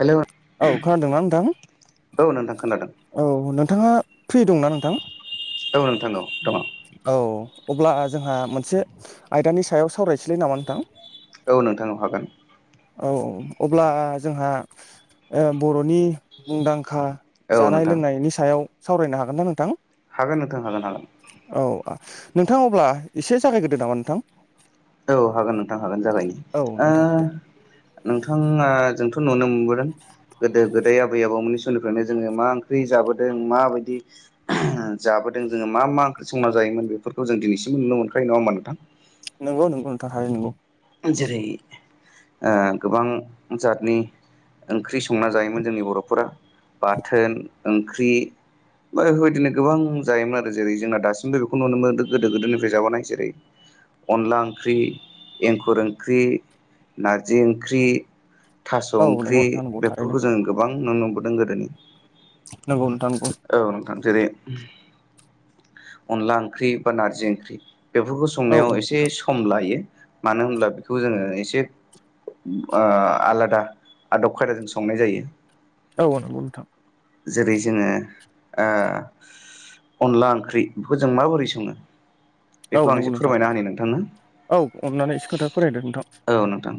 Hello औ खोनादोंना नोंथां। औ नोंथां खोनादों औ नोंथाङा फ्रि दंना नोंथां। औ नोंथां औ दङ। औ अब्ला जोंहा मोनसे आयदानि सायाव सावरायसलै नामा नोंथां? औ नोंथां औ हागोन। औ अब्ला जोंहा ओ बर'नि मुंदांखा औ जानाय नोंथां लोंनायनि सायाव सावरायनो हागोन ना नोंथां? हागोन नोंथां हागोन हागोन। औ नोंथां अब्ला एसे जागायग्रोदो नामा नोंथां। औ हागोन नोंथां हागोन जागायनो औ नोंथां दे ओ नोंथाङा जोंथ' नुनो दों गोदो गोदाय आबै आबौमोननि समनिफ्रायनो जोङो मा ओंख्रि जाबोदों माबायदि आ जाबोदों जोङो मा मा ओंख्रि संना जायोमोन बेफोरखौ जों दिनैसिमबो नुनो मोनखायो नङा होमबा नोंथां? नोंगौ नोंगौ नोथां थारै नोंगौ। जेरै ओ गोबां जातनि ओंख्रि संना जायोमोन जोंनि बर'फोरा बाथोन, ओंख्रि बा बेफोरबायदिनो गोबां जायोमोन आरो जेरै जोंना दासिमबो बेखौ नुनो मोन गोदो गोदोनिफ्राय जाबोनाय जेरै अनला ओंख्रि, एंखुर ओंख्रि, नारजि ओंख्रि थास' औ नंगौ ओंख्रि नोंथां नंगौ थारैनो बेफोरखौ जों गोबां नु नुबोदों गोदोनि नोंगौ नोथां नोंगौ औ नोंथां जेरै अनला ओंख्रि बा नारजि ओंख्रि बेफोरखौ औ संनायाव एसे नोंथां सम लायो मानो होनब्ला बेखौ जोङो एसे ओ आलादा आदब खायदाजों संनाय जायो। औ नोंगौ नोथां। जेरै जोङो ओ अनला ओंख्रि बिखौ जों माबोरै सङो। औ बेखौ आं नंगौ एसे नोंथां फोरमायना होनि नोंथांनो औ अननानै एसे खोथा फोरमायदो नोंथां औ नोंथां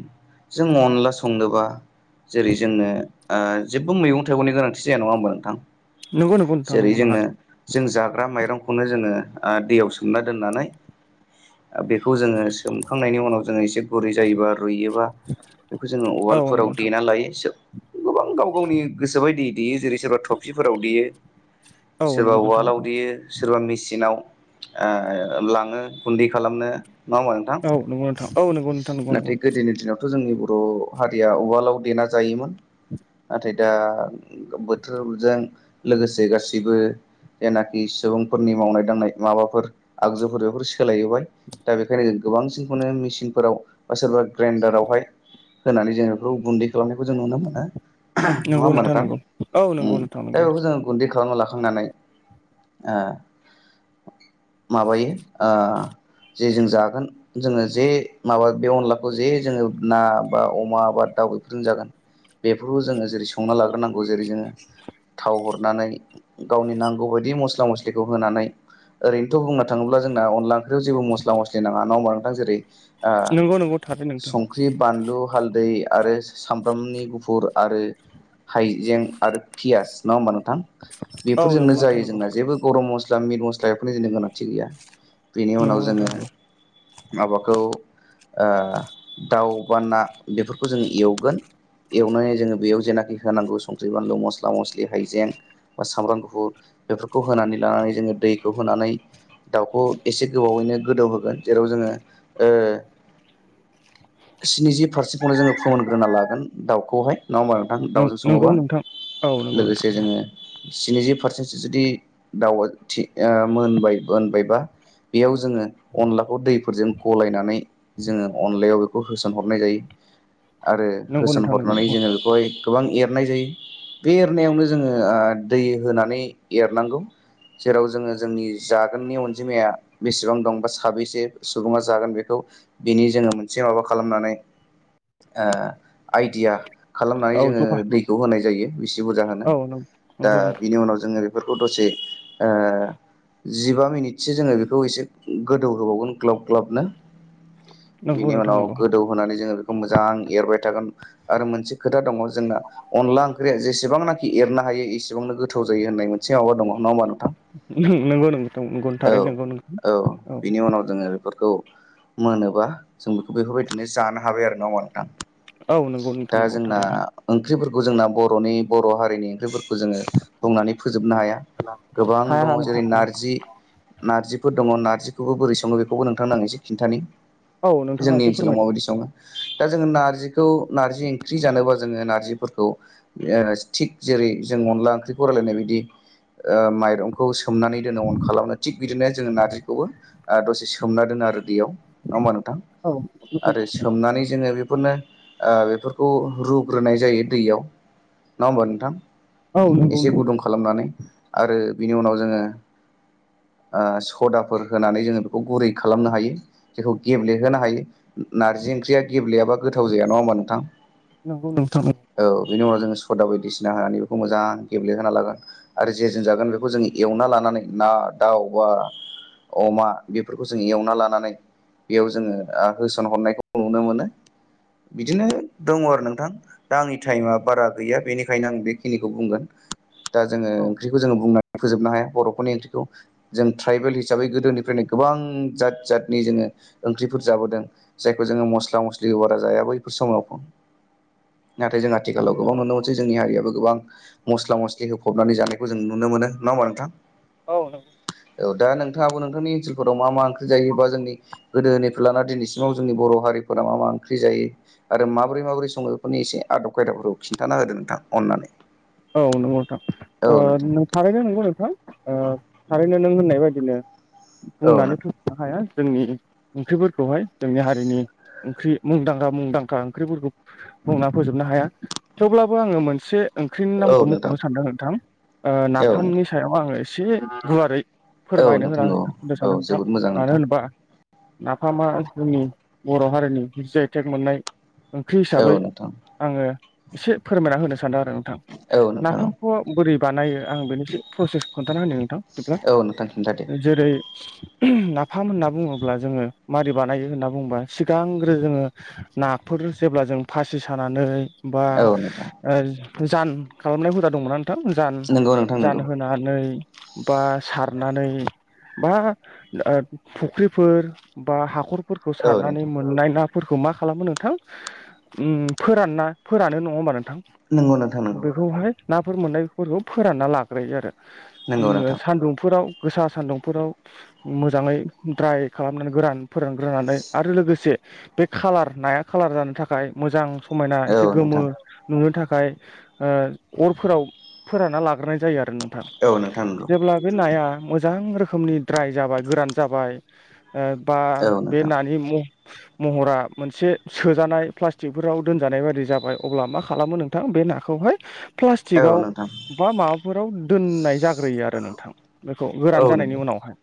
जों अनला संनोबा जेरै जोंनो ओ जेबो मैगं थाइगंनि गोनांथि जाया नङा होनबा नोंथां। नंगौ नंगौ नोंथां जेरै नंगौ नाङा जोंनो जों जाग्रा माइरंखौनो जोङो ओ दैयाव सोमना दोननानै ओ बिखौ जोङो सोमखांनायनि उनाव जोङो एसे - गुरै जायोबा रुइयोबा बिखौ जोङो औ नंगौ उवालफोराव नोंथां देना लायो गोबां गाव गावनि गोसोबायदि देयो जेरै सोरबा ट्रसिफोराव देयो औ सोरबा नंगौ नोंथां नंगौ उवालाव देयो सोरबा मिसिनाव ओ लाङो गुन्दै खालामनो नंङा ओमबा नोंथां। औ नंगौ नोंथां औ नंगौ नोंथां नंगौ नंगौ नाथाय गोदोनि दिनाव ' जोंनि बर' हारिया उवालाव देना जायोमोन। नाथाय दा बोथोरजों लोगोसे गासैबो जेनाखि सुबुंफोरनि मावनाय दांनाय माबाफोर आगजुफोर बेफोर सोलायबाय दा बेखायनो गोबांसिन खौनो मिचिनफोराव बा सोरबा ग्राइडारावहाय होनानै जों बेखौ गुन्दै खालाम जों नुनो मोनो नङा नंगौ होमबा नोंथां नंगौ औ नंगौ ओम नोंथां नंगौ औ जों गुन्दै खालामना ला खांनानै ओ माबायो ओ जे जों जागोन। जोङो जे माबा बे अनलाखौ जे जोङो ना बा अमा बा दाउ बेफोरजों जागोन। बेफोरखौ जोङो जेरै संना लाग्रोनांगौ जेरै जोङो। थाव हरनानै गावनि नांगौ बायदि मस्ला मस्लिखौ होनानै ओरैनोथ' बुंनो थाङोब्ला जोंना अनला ओंख्रियाव जेबो मस्ला मस्लि नाङा नङा होमबा नोंथां जेरै नंगौ नंगौ थारै नोंथां संख्रि, बानलु, हालदै। आरो सामब्रामनि गुफुर आरो हाइजें आरो पियास नङा होमब नों थां औ बेफोरजोंनो नंगौ नोंथां जायो नंगौ जोंना जेबो गरम मस्ला मिट मस्ला बेफोरनि जोंनि गोनांथि गैया। बेनि नंगौ उनाव जोङो नोंथां माबाखौ ओ दाउ बा ना बेफोरखौ जों एवगोन। एवनानै जोङो बेयाव जेनाखि होनांगौ संख्रि, बानलु, मस्ला मस्लि हाइजें।। बा सामब्राम गुफुर बेफोरखौ होनानै लानानै जोङो दैखौ होनानै दाउखौ एसे गोबावैनो गोदौहोगोन जेराव जोङो ओ स्निजि फारसेखौनो जोङो फोमोनग्रोना लागोन दाउखौहाय नङा होमबा नोंथां नंगौ दाउजों नंगौ सङोबा नोंथां औ नंगौ लोगोसे नोंथां जोङो नंगौ स्निजि पारसेन्टसो जुदि दाउआ मोनबाय मोनबायबा बेयाव जोङो अनला बे दैफोरजों गलायनानै जोङो अनलायाव बेखौ होसन हरनाय जायो। आरो नंगौ होसन नोंथां नंगौ हरनानै नंगौ जोङो बेखौहाय गोबां एरनाय जायो बे एरनायावनो जोङो दै होनानै एरनांगौ। जेराव जोङो जोंनि जागोननि अनजिमाया बेसेबां दं बा साबैसे सुबुङा जागोन बेखौ बिनि जोङो मोनसे माबा खालामनानै ओ आइडिया खालामनानै औ जोङो जखा दैखौ होनाय जायो। बेसे बुरजा होनो औ दा नंगौ नोंथां बिनि उनाव जोङो बे दसे ओ जिबा मिनिटसो जोङो बेखौ एसे गोदौ होबावगोन। ग्लब ग्लबनो नंगौ बिनि नोंथां उनाव नंगौ गोदौहोनानै जोङो बेखौ मोजां एरबाय। थागोन आरो मोनसे खोथा दङ जोंना अनला ओंख्रिया जेसेबांनाखि एरनो हायो एसे एसेबांनो गोथाव जायो होननाय मोनसे माबा दङ नङा होमबा नोंथां। नंगौ नोंथां नंगौ औ थारैनो नंगौ नोंगौ औ। बिनि उनाव जोङो बेफोरखौ मोनोबा जों बेखौ बेफोरबायदिनो जानो हाबाय आरोना नोंथां। औ नंगौ नोंथां दा नंगौ जोंना थारैनो ओंख्रिफोरखौ जोंना बर'नि बर' हारिनि ओंख्रिफोरखौ जोङो बुंनानै फोजोबनो हाया गोबां हाया दङ हा जेरै नोंथां नारजि नारजिफोर दङ नारजिखौबो बोरै सङो बेखौबो नोंथां आं एसे खिन्थानि औ नोंथाङा जोंनि एसे ओनसोलाव फोरमायदो माबायदि सङो दा जोङो नारजिखौ नारजि ओंख्रि जानोबा जोङो नारजिफोरखौ जों जेरै जों अनला ओंख्रिखौ रायलानाय बायदि माइरंखौ सोमनानै दोनो अन खालामनो थिग बिदिनो जोङो नारजिखौबो दसे सोमना दोनो आरो दैयाव नङा होमबा नों औ आरो सोमनानै जोङो बे बेफोरनो बेफोरखौ रुग्रोनाय जायो दैयाव नङा होमबा नोंथां। औ नंगौ एसे गुदुं खालामनानै आरो बिनि उनाव जोङो सदाफोर होनानै जोङो। बेखौ गुरै खालामनो हायो जेखौ गेब्लेहोनो हायो नारजि ओंख्रिया गेब्लेयाबा गोथाव जाया नङा नोंथां नंगौ नोंथां। औ बेनि उनाव जोङो सदा बायदिसिना होनानै बेखौ मोजां गेब्लेहोना लागोन आरो जेजों जागोन बे जों एव लानानै। ना दाउ बा अमा बेफोरखौ जों एवना लानानै बेयाव जोङो होसनहरनायखौ नुनो मोनो। बिदिनो दङ आरो नोंथां दा आंनि टाइमा बारा गैया बेनिखायनो आं बेखिनिखौ बुंगोन। दा जोङो नंगौ ओंख्रिखौ जों बुंनानै फोजोबनो हाया बर'फोरनि ओंथिखौ जों ट्राइबेल हिसाबै गोदोनिफ्रायनो गोबां जात जतनि जोङो ओंख्रिफोर जाबोदों जायखौ जोङो मस्ला मस्लि बारा जाया बैफोर समाव नाथाय जों आथिखालाव गोबां नुनो नोंथां मोनसै जोंनि हारियाबो गोबां मस्ला मस्लि होफबनानै जानायखौ जों नुनो मोनो नङा होमबा नोंथां औ औ। औ दा नोंथा आ नोंथांनि ओनसोल फोराव मा मा ओंख्रि जायो बा जोंनि गोदोनिफ्राय लाना दिनैसिमाव जोंनि बर' हारिफोरा मा मा ओंख्रि जायो आरो माबोरै माबोरै संङो बेफोरनि एसे आदब खायदाफोरखौ खिन्थाना होदो नोंथां अन्नानै औ नंगौ नोंथां ओ थारैनो नंगौ नोंथां ओ थारैनो नों होननाय बेबायदिनो औ बुंनानै नोंथां फैनो हाया जोंनि ओंख्रिफोरखौहाय जोंनि हारिनि ओंख्रि मुंदांखा मुंदांखा ओंख्रिफोरखौ बुंना फोजोबनो हाया थेवब्लाबो आङो मोनसे ख्रिनि औ नामखौ नोंथां मख'नो सानदों नोंथां औ नोंथां नाथामनि सायाव आङो एसे गुवारै औ फोरमायनो होना नोंथां औ होननो औ सानदों नोंथां जोबोद मोजां मानो नोंथां होनोबा नाफामा जोंनि बर' हारिनि जि आइ थेक मोननाय ओंख्रि औ हिसाबै नोंथां आंङो एसे फोरमायना होनो सानदों आरो नोंथां औ नोंथां नाफामखौ बोरै बानायो आं बेनिससे प्रसेस खोन्थान होदों नोंथां बिदिब्ला औ नोंथां खिन्थादो जेरै नाफाम होनना बुङोब्ला जोङो मारै बानायो होनना बुङोबा सिगांग्रो जोङो नाफोर जेब्ला जों फासि सानानै बा औ नोंथां जान खालामनाय हुदा दंमोन जान नंगौ नोंथां नंगौ जानहानै बा सारनानै बा फुख्रिफोर बा हाखरफोरखौ औ सारनानै नोंथां मोननाय ना फोरखौ मा खालामो नोंथां फोरानना फोरानो नङा होमबा नोंथां नोंगौ नोथां बेखौहाय नाफोर मोननायफोरखौ फोरानना लाग्रोयो आरो नंगौ नोंथां सान्दुंफोराव गोसा सान्दुंफोराव मोजाङै द्राय खालामनानै गोरान फोरोंग्रोनानै आरो लोगोसे बे खालार नाया खालार जानो थाखाय मोजां समायना औ एसे गोमो नोंथां नुनो थाखाय ओ अर फोराव फोराना लाग्रोनाय जायो आरो नोंथां औ नोंथां नंगौ जेब्ला बे नाया मोजां रोखोमनि द्राय जाबाय गोरान जाबाय बा औ बे नोंथां नानि महरा मोनसे सोजानाय प्लास्टिकफोराव दोनजानाय बाददि जाबाय अब्ला मा खालामो नोंथां बे नाखौ बहाय औ प्लासटिक आव नोंथां बा माबाफोराव दोनाय जागोन होग्रोयो आरो नोंथां बेखौ औ गोरान जानायनि नोंथां उनावहाय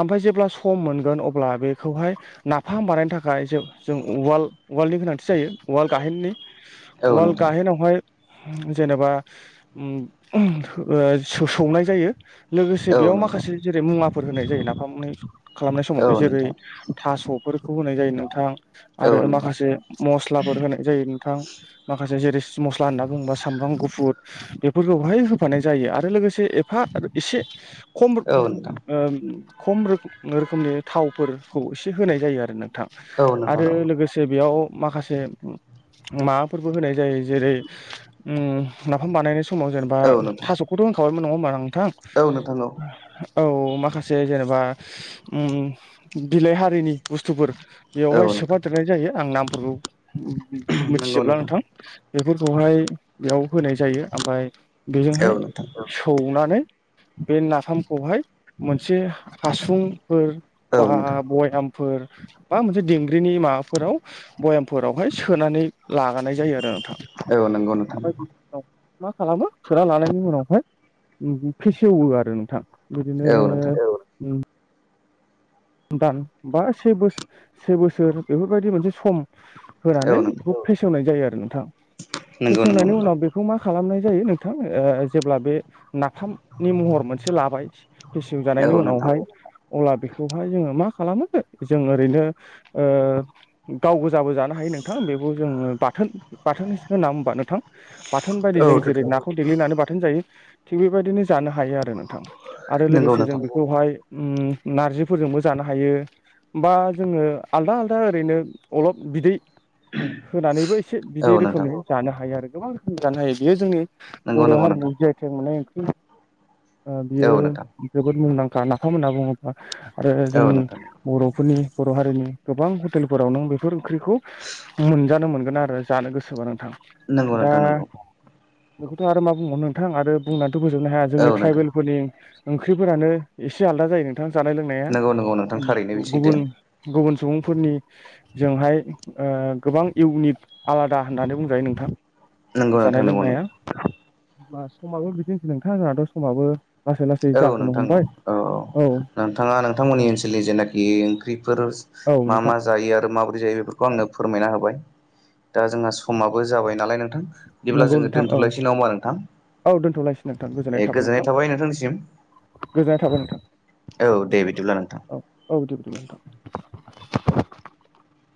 ओमफ्राय जेब्ला सम मोनगोन अब्ला बेखौहाय नाफाम बानायनो थाखाय ज जों उवाल नि गोनांथि जायो वड गाहेननि औ वालड नोंथां गाहेनावहाय जेनेबा सौनाय जायो लोगोसे औ नोंथां औ बेयाव नोंथां माखासे जेरै मुवाफोर होनाय जायो नाफाम खालामनाय औ नोंथां औ समावहाय जेरै नोंथां औ नोंथां औ थास' बेफोरखौ होनाय जायो नोंथाङा औ आरो नोंथां माखासे मस्लाफोर होनाय जायो नोंथां माखासे जेरै मस्ला होनना बुङोबा सामब्राम गुफुर बेफोरखौहाय होफानाय जायो आरो लोगोसे एफा एसे खम औ नोंथां खम रोखोमनि थावफोरखौ एसे होनाय जायो आरो नों थां आरो लोगोसे बेयाव माखासे माबाफोरबो होनाय जायो जेरै नाफाम बानायनाय समाव जेनेबा थास'खौथ' होनखाबायमोन नंङा होमबा आं थां औ माखासे जेनेबा बिलाइ हारिनि बुस्थुफोर औ बेवहाय नोंथां सोफादेरनाय जायो आं नामफोरखौ मिथिजोबला नोंथां बेफोर खौहाय बेयाव होनाय जायो ओमफ्राय औ बेजोंहाय नोंथां सौनानै बे नाफामखौहाय मोनसे हासुंफोर औ बा नोंथां बयाम फोर बा मोनसे दिंग्रिनि माबाफोराव भयामफोरावहाय सोनानै लागानाय जायो आरो नोंथां औ नंगौ नोंथां ओमफ्राय मा खालामो फोरा लानायनि उनावहाय फेसेवो आरो नोंथां। बिदिनो औ नोंथां उम दान बा से बोस से बोसोर बेफोरबायदि मोनसे सम। औ होनानै नोंथां बेखौ फेसेवनाय जायो आरो नोंथां नंगौ नंगौ फेसेवनायनि नोंथां उनाव बेखौ मा खालामनाय जायो नोंथां ओ जेब्ला बे नाफामनि महर मोनसे लाबाय फेसेव औ जानायनि नोंथां उनावहाय अला बे बेखौहाय जोङो मा खालामो जों ओरैनो ओ गावगोजाबो जानो हायो नोंथां बे बेखौ जोङो बाथोन बाथोन सो होना होनबा नोंथां। बाथोन बायदि औ जों जेरै नोंथां नाखौ देग्लिनानै बाथोन जायो थिग बेबायदिनो जानो हायो आरो नोंथां। आरो नंगौ लोगोसे जों नोंथां बेखौहाय उम नारजि फोरजोंबो जानो हायो बा जोङो आलदा आलदा ओरैनो अलप बिदै होनानैबो एसे बिदै औ नोंथां रोखोमनि जानो हायो आरो गोबां रोखोमनि जानो हायो बेयो जोंनि नंगौ बर' नंगौ नोंथां हारिनि जि आइ टेग मोननाय ओंख्रि बियो औ नोंथां जोबोद मुंदां खा नाफाम होनना बुङोब्ला आरो औ जोंनि नोंथां बर'फोरनि बर' हारिनि गोबां हटेलफोराव नों बेफोर ओंख्रिखौ मोनजानो मोनगोन आरो जानो गोसोबा नोंथां। नोंगौ दा नोंथां नोंगौ बेखौथ' आरो मा बुंगो नोंथां आरो बुंनानैथ' फोजोबनो हाया औ जोंनि नोंथां ट्राइबेलफोरनि ओंख्रिफोरानो एसे आलदा जायो नोंथां जानाय लोंनाया नंगौ नंगौ नोंथां थारैनो बे सैथो गुबुन गुबुन सुबुंफोरनिजोंहाय ओ गोबां इउनिक आलादा होननानै बुंजायो नोंथां नंगौ जानाय नोंथां नंगौ लोंनाया नंगौ बा समाबो बिदिनोै नोंथाङा जोंनाथ' समाबो लासै लासै औ जाबोनो नोंथां औ हमबाय औ औ नोंथाङा नों थांमोननि ओनसोलनि जेनाखि ओंख्रिफोर औ मा नोंथां मा जायो आरो माबोरै जायो बेफोरखौ आङो फोरमायना होब बाय दा जोंहा समाबो जाबाय नालाय नोंथां बिदिब्ला नंगौ जोङो नोंथां औ दोनथ'लायसै नङा होनबा नोंथां। औ दोन्थ'लायसै नोंथां गोजोननाय थाबाय नोंथां गोजोननाय थाबाय नोंथां। औ दे बिदिब्ला नोंथां औ औ दे बिदिबा नोंथां।